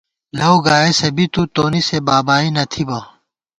لَؤ گائېسہ بی تُو ، تونی سے بابائی نہ تھِبہ